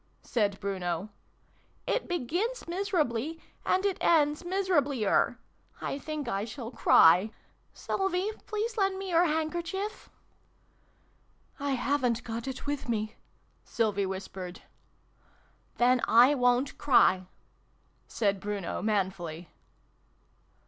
said Bruno. "It begins miserably, and it ends miserablier. I think I shall cry. Sylvie, please lend me your handkerchief." 374 SYLVIE AND BRUNO CONCLUDED. " I haven't got it with me," Sylvie whispered. " Then I won't cry," said Bruno manfully.